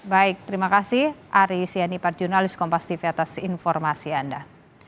baik terima kasih ari sianipar jurnalis kompas tv atas informasi anda